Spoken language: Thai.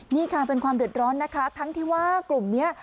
นี่ค่ะเป็นความเดือดร้อนนะคะทั้งที่ว่ากลุ่มนี้